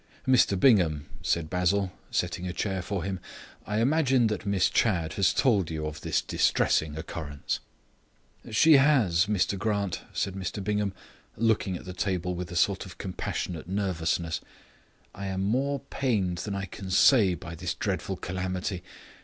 "Mr Bingham," said Basil, setting a chair for him, "I imagine that Miss Chadd has told you of this distressing occurrence." "She has, Mr Grant," said Bingham, looking at the table with a sort of compassionate nervousness. "I am more pained than I can say by this dreadful calamity.